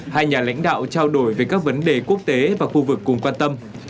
hai nhà lãnh đạo trao đổi về các vấn đề quốc tế và khu vực cùng quan tâm